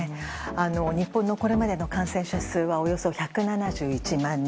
日本のこれまでの感染者数はおよそ１７１万人。